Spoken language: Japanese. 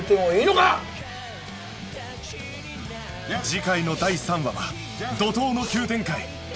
次回の第３話は怒涛の急展開